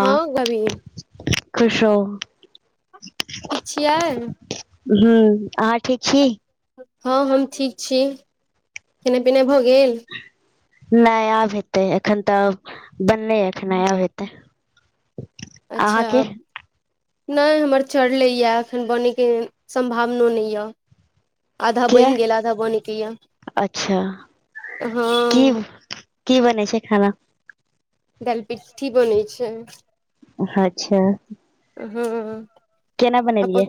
आ हँ गबी [unintelligible] खुशो रहु ठीक छियै हु अहाँ ठीक छी ह हम ठीक छी [inaudible] खेना पिना भऽ गेल नै आब हेतै एखन तऽ बनले अखने आब हे [unintelligible] अच्छा अब [inaudible] नै हमर चरले यऽ एखन बनैके संभावनो नै यऽ आधा किया बैन गेल आधा बनैके यऽ अच्छा [inaudible] ह कि बनै छै खाना दाइल पिट्ठी बनेै छै हच्छा हऽ केना बनेलियै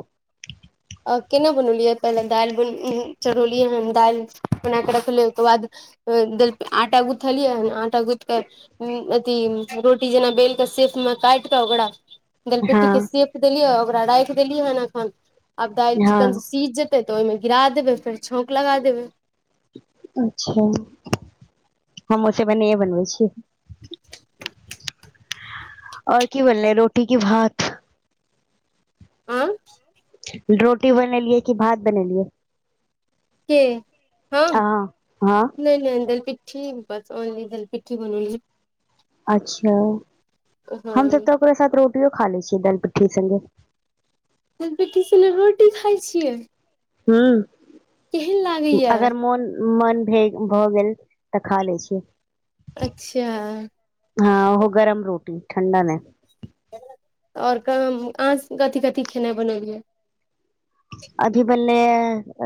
आ केना बनेलिये पहिले दाइल बन [unintelligible] चढ़ौलियै हन दाइल बना कऽ रखलियै ओइ केँ बाद दाल आटा गूथलिय हन आटा गुथ कऽ हु अथी रोटी जेना बेल कऽ सेफ में काइट कऽ ओकरा हँ दलपिटी केँ सेफ देलियै ओकरा राइख देलिहन अखन आब दाइल हँ चिक्कन से सीझ जे तऽ ओयमे गिरा देबै फेर छौंक लगा देबै। अच्छा हम उ सब एनैये बनबै छियै [inaudible] और की बनलेय रोटी की भात आँय रोटी बनेलियै कि भात बनेलियै के हम अहाँ हँ नय नय दैलपिट ठी बस ऑनली दलि पिट्ठी बनेलियै अच्छा हँ हम‌ तऽ सब तऽ ओकरा साथ रोटियो खा लै छियै दालि पिट्ठी संगे दलि पिट्ठी संगे रोटी खाय छियै। केहन हुँ लागैया अगर मोन मन भेल भऽ गेल तऽ खा लै छी अच्छा हँ उहो गरम रोटी ठण्डा नय आओर काम अहाँ स कथि कथि खेनाए बनेलियै अभी बनलेै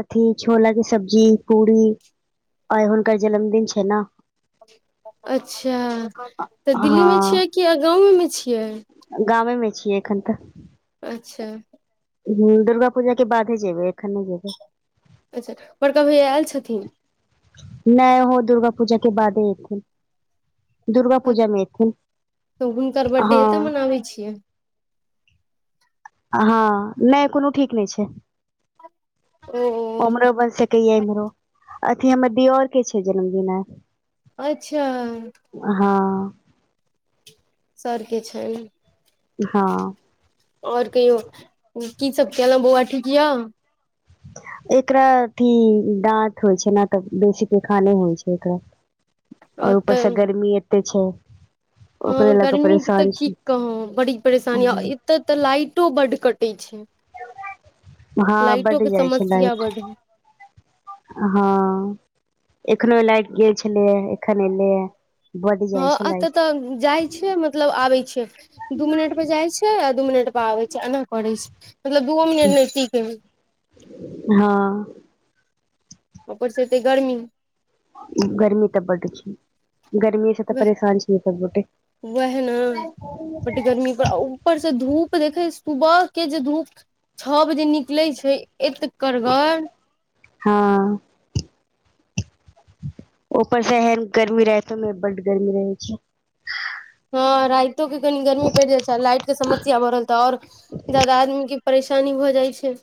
अथी छोला कऽ सब्जी पूरी आय हुनकर जनमदिन छै न अच्छा तऽ दिल्ली मे छियै कि अ गाँवमे मे छियै गामेमे छियै एखन तऽ अच्छा हुँ दुर्गा पूजा के बादे जेैबे एखन नय जेैबे अच्छा बड़का भैया आएल छथिन नय ओहो दुर्गा पूजा के बादे एथिन। दुर्गा पूजामे एथिन हँ बी छियै हँ नय कोनो ठीक नय छै ओ ओमरो बनि सकैये इम्हरो अथी हमर देयोर के छै जन्मदिन आय अच्छा हँ सरके छनि हँ आओर कहियो की सब केलौं बौआ ठीक य एकरा अथी दाँत होइ छै ने तऽ बेसी पेखाने होइ छै एकरा आओर तऽ ऊपरसँ गर्मी एते छै ओकरे हँ लऽ के गर्मीके तऽ परेशान की छी कहौं बड़ी परेशानी आ एत तऽ लाइटो बड्ड कटै छै हँ लाइटो बड्ड के जाइ छै समस्या लाइट बड्ड है। हँ एखनो लाटि गेल छलैये एखन एलैये बड जाइ हँ छै अत लाइट तऽ जाइ मतलब आबै छै दू मिनट पर जाइ छै आ दू मिनट पर आबै छै एना करै छै मतलब दूओ मिनट नय टिकै हय हँ ओपर सँ एतै गर्मी गर्मी तऽ बड्ड छै गर्मी। कते परेशान छीयै सब गोटे गरमी पर उ ऊपर से धूप देखे सुबह के जे धूप छ बजे निकलै छै एत करगर हँ ऊपर से एहन गर्मी रैतो मे बड्ड गर्मी रहै छै हँ रैतो के कनी गर्मी पड़ि जाइ छै लाइट के समस्या बढ़ल तऽ आऔर जदा आदमी के परेशान शानी भऽ जाइ छै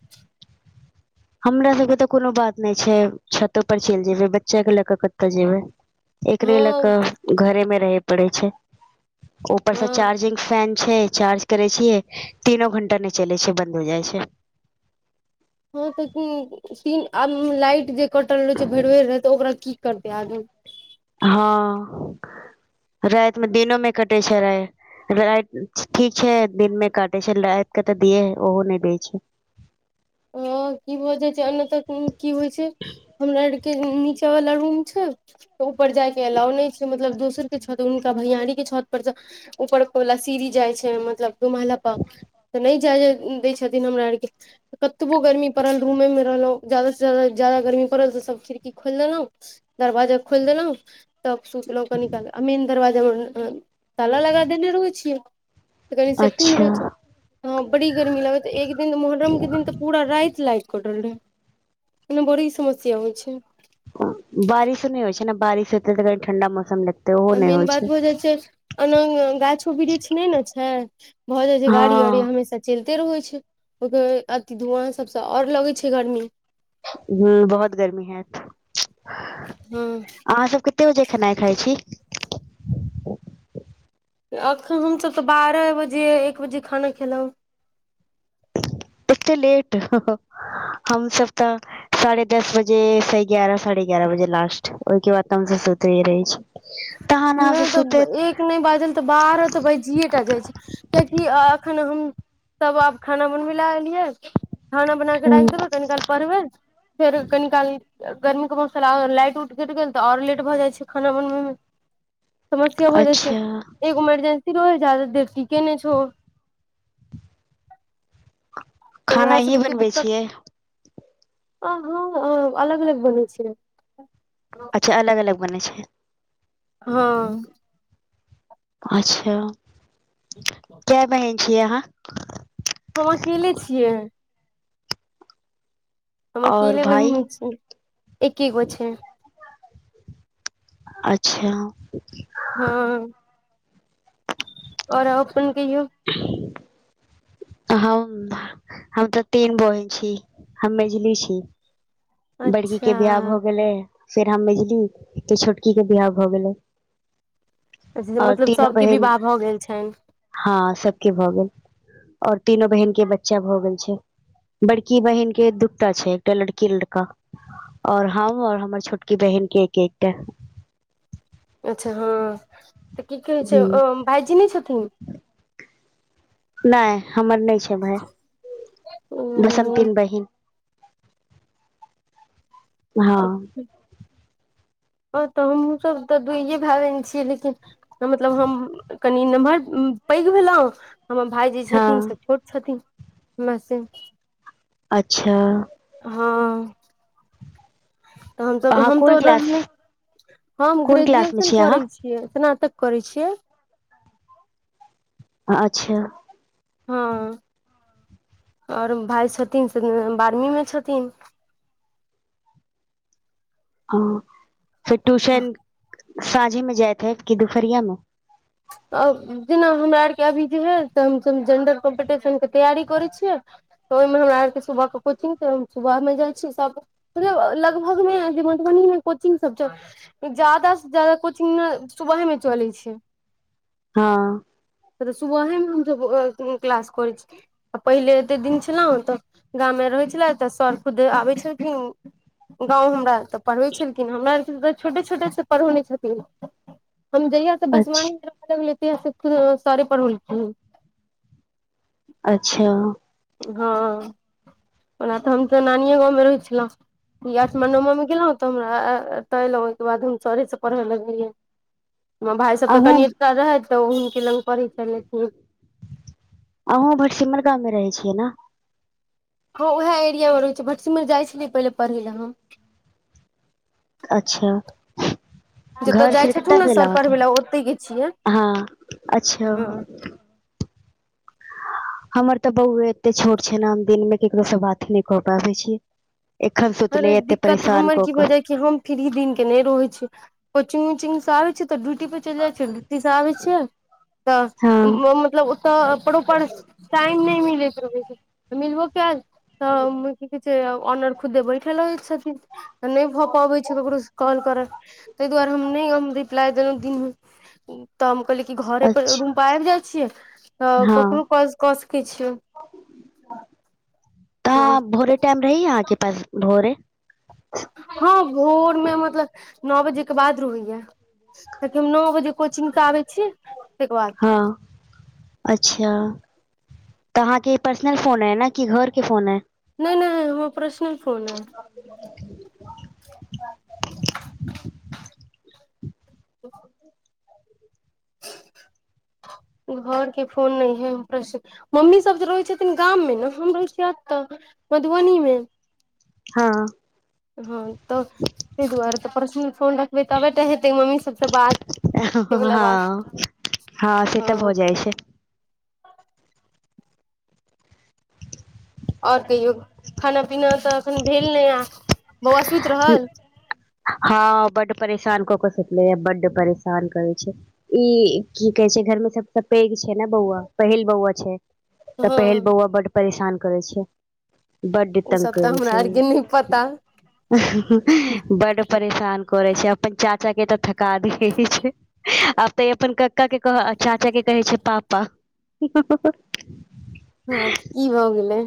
हमरा सबके तऽ कोनो बात नैक्षछै छतो पर चैल जेयबै बच्चा के लए कऽ कतय जेबै एकरे ल क हँ घरे मे रहे पड़े छै ऊपर से हँ चार्जिंग फैन छै चार्ज करै छियै तीनो घंटा नै चलै छै बंन्द हो जाइ छै हँ तऽ तीन आ लाइट जे कटल रहै छै भरि भरि रह त ओकरा की करतै आदमी हँ रैतमे दिनोमे कटै छै रा ठीक छै दिनमे काटे छै रैत के तऽ दियै ओहो नै दै छै ह की भऽ जाइ छै एने तक की होइ छै हमरा आर के नीचा वाला रूम छै तऽ ऊपर जायके अलाव नै छै मतलब दोसरके छत हुनका भैयारी के छत परर उपरकला सिरी जाइ छै मतलब दुमाहला प तऽ नै जाय दै छथिन हमरा आरके कतबो गर्मी पड़ल रूमे मे रहलहुँ ज्यादास से जााददा ज्यादा गर्मी पड़ल तऽ सभ खिड़की खोइलि देलौ दरवाजा खोइल देलौ तब सोचलहुँ कनी काल आ मेन दरवाजामे ताला लगा देने रहै छियै तऽ कनि सेफ्टी मे अच्छा रहै छै हँ बड़ी गर्मी लागत एक दिन मुहर्रम के दिन तऽ पूरा राति लैट अटल रहे एने बड़ी समस्या होइ छै, बारिशो नै होइ छै ने बारिश होतै तऽ क ठंडा मौसम लगतै आ मेन बात भऽ जाइ छै अना गाछो वृक्ष नै न छै, भऽ जाइ छै हँ गाड़ी वाड़ी हमेशा चैलते रहै छै ओ अथ धुआँ सबसँ आओर लगै छै गर्मी ह बहुत गर्मी हेएत हँ अहाँ सबके कते बजे खेनाइ खाइ छी एखन हमसभ तऽ बारह बजे एक बजे खाना खेलहुँ एते लेट ह ह हम सब तऽ साढ़े दस बजेसँ एगारह साढ़े एगारह बजे लास्ट ओहिके बाद त हमस सुइती रहै छी, तहन अहाँ नै से तऽ सुतैत एक नै बाजल तऽ बार तऽ बैजियए टा जाइ छै कियाकि एखन हम सब आब खाना बनबे लए एलियै खाना बना के हूँ राख देबै कनिकाल परवे फेर कनी काल गर्मीे मौसल लाइट उट कैट गेल तऽ आओर लेट भऽ जाइ छै खाना बनबै मे समस्या हो जाइ छै अच्छा एगो इमरजेंसी रह जादा देर ठीके नै छै ओ तऽ खाना उएह अहीं सबके बनबै दिक्कत छियै हँ। अलग अलग बनै छियै अच्छा अलग अलग बने छै। हँ। अच्छा, के बहिन छीयै अहाँ हम अकेले छियै। हम और अकेले भाय बहिमे छीयै एके गो छै। अच्छा। हँ। आओर [unintelligible] कहियौ। [unintelligible] हम हम तऽ तीन बहिन छी हम मेजली छी बड़की के अच्छा बिियाह भऽ गेलै फेर हम बझली त छोटकी के बिियाह भऽ गेलै जे और मतलब तीनो सबके बहिन विवाह भऽ गेल छनि हँ सबके भऽ गेल। और तीनो बहन के बच्चा भऽ गेल छै। बड़की बहिन के दूटा छै एकटा लड़की लड़का आओर हम आऔर हमर छोटकी बहिन के एक एकटा अच्छा हँ तऽ की कहै छै हूँ भाईजी नहि छथिन नहि हमर नहि छै भाय बस हम तीन बहिन। ओ हँ तब तऽ हमूँ सब तऽ दुइए भायन छीियै लेकिन मतलब हम कनि नमहर पैघ भेलहुँ हमर भाय जे छथिन से हँ छोट छथिन हमरा से अच्छा। हँ। तऽ हम सब अहाँ हम कोन क्लास तऽ हम कोन क्लासमे ग्रेजुएशन छी अहाँ करै छी। स्नातक करै छियै। अच्छा। हँ आओर भाय छथिन से बारहवीं मे छथिन हँ फेर ट्यूशन साँझे मे जाएते कि दुपरियामे ओर जेना हमरा आरके अभी जे है से हमस जेंडर कम्पटिशन के तैयारी करै छियै, तऽ ओहिमे हमरा आरके सुबहके कोचिङंग तऽ हम सुबहमे जाइ छी सभ मतलब लगभग मे मधुबनी मे कोचिंग सब छै, जादा से जादा कोचिंग ने सुबहे मे चलै छै, हँ। त तऽ सुबह ह हम सभ क्लास कर छी, आ पहिले एते दिन छलहु तऽ गाममे रहै छले तऽ सर खुद आबै छलखिन गाँव हमरा तऽ पढ़बै छलखिन हमरा आर छोटे छोटे से पढ़ौने छथिन हम जहिया से बसवान अच्छा लग ले तहिया से सरे पढोलखिन। अच्छा। हँ। ओना तऽ हम तऽ नानीये गाँव में रहैय छलहुँ [unintelligible] गेलहुँ। तऽ हमरा एतऽ अल ओहिके बाद हम सरेसँ पढ़ै लगलियै हमर भााय सब तऽ अहूँ कनि। तऽ राहित तऽ हुनके लग पढैय छलखिन। अहूँ भरसिमर गाँव मे रहैय छियै ना। हँ उएह एरिया मे रहै छै भटसिमर जाइ छलियै पहिले पढ़ैय ला हम। अच्छा। जतऽ घर जाइ फेर कतऽ छथुन ने गेल सर पढ़बै लए ओतहि गे छियै अहाॅं अच्छा। हँ हमर तऽ बहु एते छोट छै ने हम दिन में केकरो से बात ही नहि कऽ पाबैय छी। एखन सुतले एते परेशान कऽ क। फि्री दिन के रहै छी कोचिंग उचिंग सऽ अबे छैय तऽ ड्यूटी पर चलि जाइ छियै डूटी से आबै छियै तऽ हँ [unintelligible] मतलब। तऽ प्रोपर टाइम नहि मिलैत रहै छै मिलबो कायल तऽ की कहैय छैय। से ऑनर खुदे बैठल रहै छथिन तऽ नै भऽ पाबै छै ककरो से कॉल करब। तैय दुआरे हम ने हम रिप्लाई देलौ दिनमें। [unintelligible] तऽ हम कहली कि घर पर अच्छा रूम पर अबि जैं छीयै। तऽ हँ करनो काज सकैत छियौ [inaudible] तऽ ह अहाँ भोरे टाइम रहै यऽ अहाँकेँ पास भोरे। हँ भोर में मतलब नओ बजे केँ बाद रहैय ताकि हम नओ बजे कोचिंग स आबै छी तैके बाद। हऽ [inaudible] अच्छा। तऽ अहाँकेँ ई पर्सनल फोन ऐ न की घर कऽ फोन ऐ। नै नै हमर पर्सनल फोन ऐ। [unintelligible] [unintelligible] [unintelligible] ई घर केँ फोन नै है। [unintelligible] मम्मी सब जे रहैत छथिन गाम में न हम रहैय छियै एतऽ मधुबनी में। हँ हँ तऽ तैय दुआरे तऽ पर्सनल फोन रखबै तबे तऽ हेतै मम्मी सभ स बात। से [unintelligible] वला बात हँ तऽ भऽजाइ [unintelligible] और कहियो खाना पीना तऽ एखन भेल नै आ बौआ सुइत रहल। हँ बड़ परेशान कऽ सुतलैया बड परेशान करै छैय। ई की कहे छै घर में सबसे पैघ छै न बौआ पहिल बौआ छैय। तऽ हँ पहिल बौआ बड़ परेशान करै छैय [inaudible] बड ओ तंग सब तऽ करैय हमरा छैय। आरके नहि पता। [unintelligible] बड परेशान करे छै अपन चाचा केँ तऽ थका दैय छैय। आब तऽ ई अपन कक्का कह चाचा केँ कहै छैय पापा। [unintelligible] हऽ तऽ की भऽ गेलैय।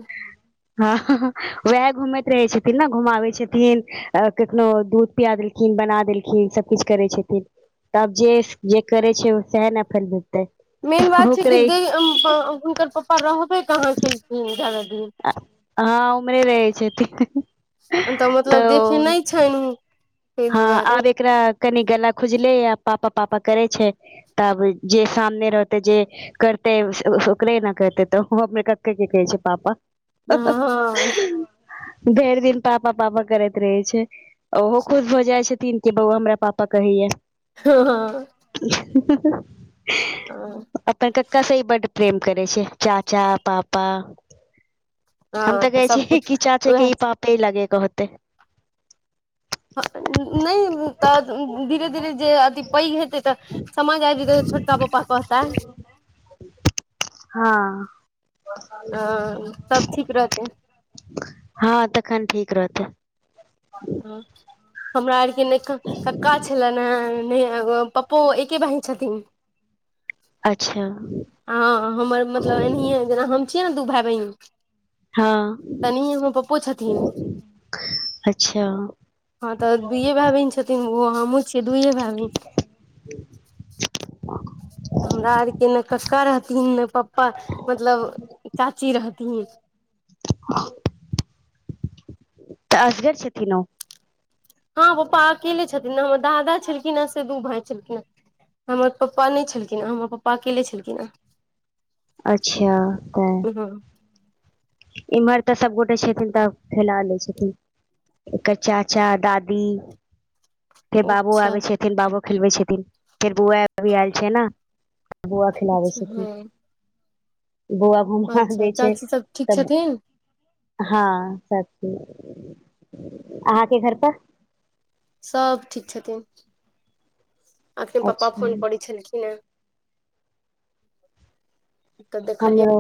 [unintelligible] वएह घूमैत रहै छथिन न घुमाबै छथिन। अ कखनो दूध पिया देलखिन बना देलखिन सभ किछ करैय छथिन। तब जे जे करे छै ओ से है न अखन हेतै मेन बात छै कि दे हुनकर पापा रहबै कहाँ केलखिन ज्यादा दिन। हँ उम्हरे रहै छथिन तऽ मतलब देखे तऽ नै छैन उन [inaudible] हँ आब एकरा कनि गला खुजले आ पापा पापा करै छै तब जे सामने रहतै जे करते ओकरे न कहते तऽ अपने कके केँ कहै छैय पापा। हँ [unintelligible] भेर दिन पापा पापा करैत रहे छै ओहो। खुश भऽ जाइ छथिन कि बौव हमरा पापा कहैया। [unintelligible] [unintelligible] [unintelligible] अपन कक्का से बड प्रेम करै छै चाचा पापा हम तऽ कहै छि सबकुछ कि चाचे केँ उएह ई पापे लगे कहतै नै तऽ धीरे धीरे जे अथी पैघ हेतै तऽ समझ आइब जेते तऽ छोटका पपा कहता हँ [inaudible] अ सब ठीक रहतै हँ तखन ठीक रहतै [inaudible] हमरा आरके नै कक्का छलेन हेँ नय पप्पो एके भाई छथिन अच्छा हँ हमर मतलब एनाहिए जेना हम छियै ने दू भाय बहिन हँ तनेही हमर पप्पो छथिन अच्छा हँ तऽ दुइयए भाय बहिन छथिन ओ हमूँ छियै दुइयए भाय बहिन [inaudible] हमरा आरके ने कक्का रहथिन ने पप्पा मतलब चाची रहथिन [inaudible] तऽ असगर छथिन ओ हँ पप्पा अकेले छथिन हमर दादा छलखिन हे से दू भाय छलखिन हँ हमर पप्पा नय छलखिन हेँ हमर पापा अकेले छलखिन हँ अच्छा तैं [inaudible] इम्हर तऽ सबगोटे छथिन तऽ खैला लै छथिन एकर चाचा दादी फेर बाबो अच्छा आबै छथिन बाबो खेलबै छथिन फेर बौआ अभी आयल छै न बोआ खिलबै अच्छा छथिन हँ बोआ [inaudible] अच्छा दै छै चाची सब ठीक तब छथिन हँ सब ठीक अहाँके घर पर सब ठीक छथिन अखने पापा अच्छा फोन करै छलखिन हे तऽ देखलियै हमरो